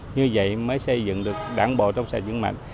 như vậy mới xây dựng được đảng bộ trong xây dựng mạng